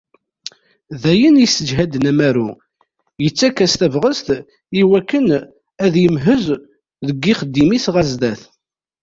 D ayen yesseǧhaden amaru, yettak-as tabɣest iwakken ad yemhez deg yixeddim-is ɣer sdat.